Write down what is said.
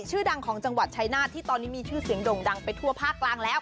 ชื่อดังของจังหวัดชายนาฏที่ตอนนี้มีชื่อเสียงด่งดังไปทั่วภาคกลางแล้ว